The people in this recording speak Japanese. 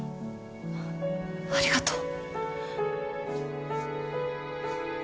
ありがとう。